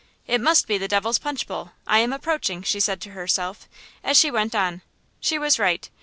"It must be the Devil's Punch Bowl! I am approaching!" she said to herself, as she went on. She was right.